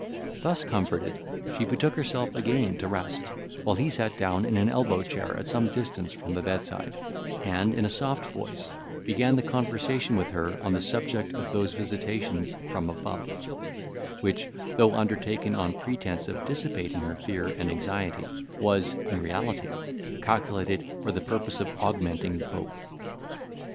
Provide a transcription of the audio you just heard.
Thus comforted, she betook herself again to rest, while he sat down in an elbow chair at some distance from the bedside, and, in a soft voice, began the conversation with her on the subject of those visitations from above, which, though undertaken on pretence of dissipating her fear and anxiety, was, in reality, calculated for the purpose of augmenting both.